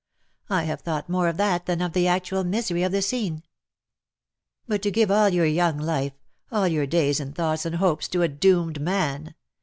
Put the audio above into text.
I have thought more of that than of the actual misery of the scene." " But to give all your young life — all your days and thoughts and hopes to a doomed man